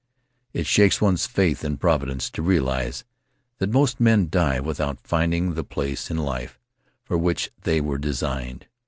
It shakes one's faith in Providence to realize that most men die without finding the place in life for which they were designed.